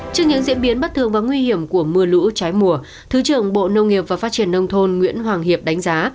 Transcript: trước những diễn biến bất thường và nguy hiểm của mưa lũ trái mùa thứ trưởng bộ nông nghiệp và phát triển nông thôn nguyễn hoàng hiệp đánh giá